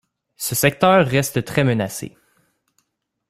Ce secteur reste très menacé.